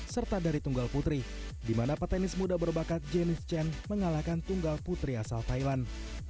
serta dari tunggal putri di mana petenis muda berbakat jenif chen mengalahkan tunggal putri asal thailand